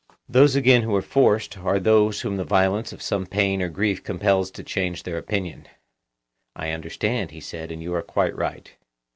Those again who are forced, are those whom the violence of some pain or grief compels to change their opinion. I understand, he said, and you are quite right.